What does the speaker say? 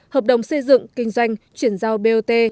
hợp đồng xây dựng kinh doanh chuyển giao bot